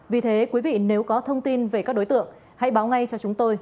vì thế quý vị nếu có thông tin về các đối tượng hãy báo ngay cho chúng tôi